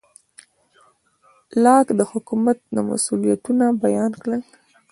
لاک د حکومت مسوولیتونه بیان کړل.